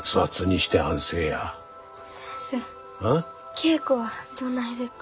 稽古はどないでっか？